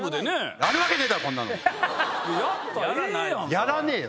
やらねえよ。